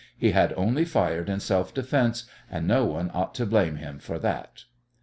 He had only fired in self defence, and no one ought to blame him for that.